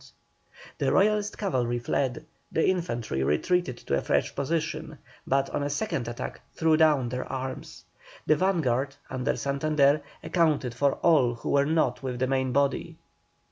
The Royalist cavalry fled, the infantry retreated to a fresh position, but on a second attack threw down their arms. The vanguard, under Santander, accounted for all who were not with the main body.